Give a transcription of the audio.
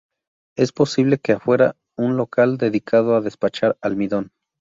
Es posible que fuera un local dedicado a despachar almidón.